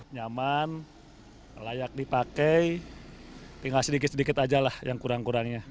nyaman layak dipakai tinggal sedikit sedikit aja lah yang kurang kurangnya